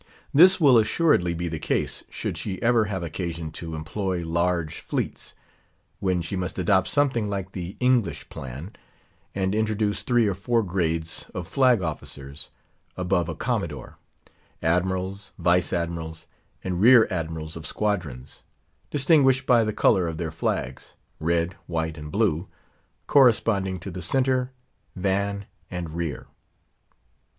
This will assuredly be the case, should she ever have occasion to employ large fleets; when she must adopt something like the English plan, and introduce three or four grades of flag officers, above a Commodore—Admirals, Vice Admirals, and Rear Admirals of Squadrons; distinguished by the color of their flags,—red, white, and blue, corresponding to the centre, van, and rear.